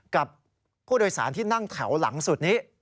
กับผู้โดยสารที่นั่งแถวหลังสุดนี้